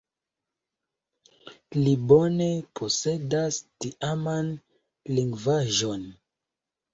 Li bone posedas tiaman lingvaĵon.